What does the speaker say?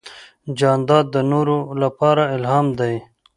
جانداد د نورو لپاره الهام دی.